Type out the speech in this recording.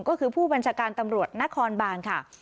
ก็คือผู้บัญชาการตำรวจนครบานค่ะ